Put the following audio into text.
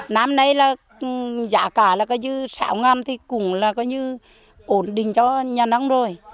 năm nay giá cả sáu thì cũng ổn định cho nhà nông rồi